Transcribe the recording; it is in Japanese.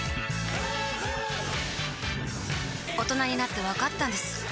大人になってわかったんです